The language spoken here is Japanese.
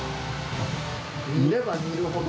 煮れば煮るほど？